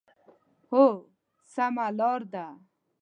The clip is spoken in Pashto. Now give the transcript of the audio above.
هو، سمه لار ده